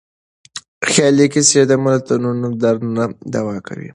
خیالي کيسې د ملتونو درد نه دوا کوي.